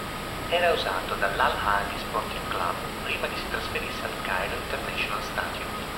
Era usato dall'Al-Ahly Sporting Club prima che si trasferisse al Cairo International Stadium.